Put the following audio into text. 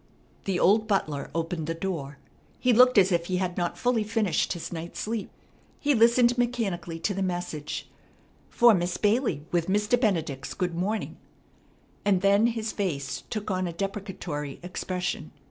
The old butler opened the door. He looked as if he had not fully finished his night's sleep. He listened mechanically to the message, "For Miss Bailey with Mr. Benedict's good morning," and then his face took on a deprecatory expression.